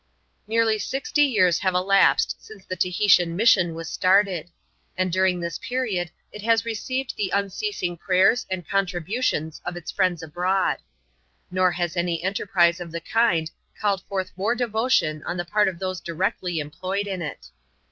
Nearly sixty years have elapsed since the Tahitian mission WHS started; and during this period it has received the un ceasing prayers and contributions of its fnends abroad. Nor has any enterprise of the kind called forth more devotion on the part of those directly employed in it.